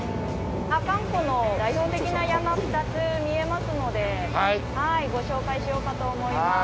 阿寒湖の代表的な山２つ見えますのでご紹介しようかと思います。